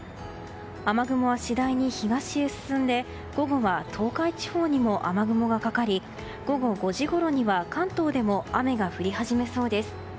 雨雲は次第に東へ進んで午後は東海地方にも雨雲がかかり午後５時ごろには関東でも雨が降り始めそうです。